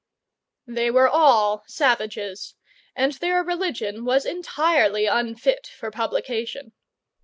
They were all savages, and their religion was entirely unfit for publication.